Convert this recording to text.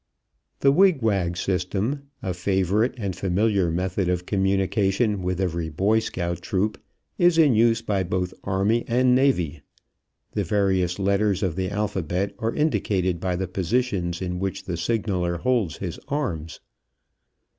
The wig wag system, a favorite and familiar method of communication with every Boy Scout troop, is in use by both army and navy. The various letters of the alphabet are indicated by the positions in which the signaler holds his arms.